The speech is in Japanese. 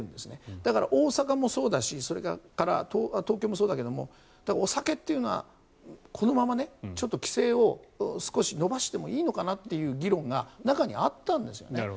だから、大阪もそうだしそれから東京もそうだけれどお酒っていうのはこのままねちょっと規制を少し延ばしてもいいのかなという議論が中にはあったんですね。